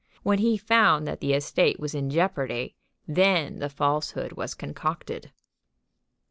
When he found that the estate was in jeopardy, then the falsehood was concocted."